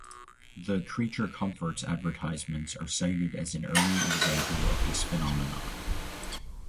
The "Creature Comforts" advertisements are cited as an early example of this phenomenon.